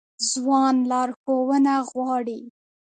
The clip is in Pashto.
ځوان لارښوونه غواړي